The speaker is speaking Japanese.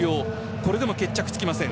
これでも決着つきません。